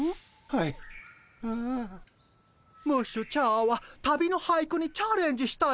ムッシュチャーは旅の俳句にチャレンジしたいのです。